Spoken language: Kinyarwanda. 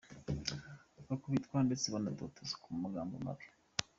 bakubitwa ndetse banatotezwa mu magambo mabi.